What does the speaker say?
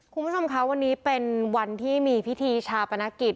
คุณผู้ชมคะวันนี้เป็นวันที่มีพิธีชาปนกิจ